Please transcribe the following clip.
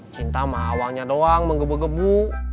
cinta mawanya doang mengebu gebu